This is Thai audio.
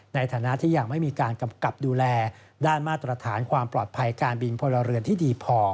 ในฐานะที่ยังไม่มีการกำกับดูแลด้านมาตรฐานความปลอดภัยการบินพลเรือนที่ดีพอ